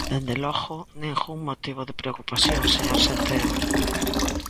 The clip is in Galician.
Dende logo, ningún motivo de preocupación, señor Centeo.